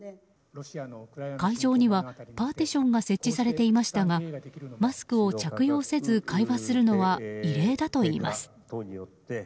会場にはパーティションが設置されていましたがマスクを着用せず会話するのは異例だといいます。